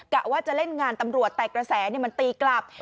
กะว่าจะเล่นงานตำรวจแต่กระแสมันตีกลับ